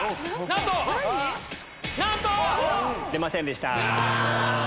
なんと‼出ませんでした。